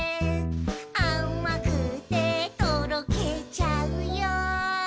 「あまくてとろけちゃうよ」